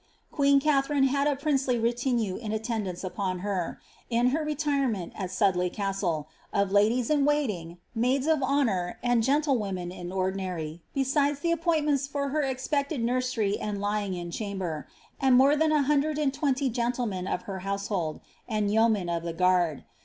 Queen Katharine had a princely retinue in attendance upon her, in her retire ment at Sudley Castle, of ladies in waiting, maids of honour, and gentle women in ordinary, besides the appointments for her expected nursery and lying in chamber, and more than a hundred and twenty gentlemen of her household, and yeomen of the guard.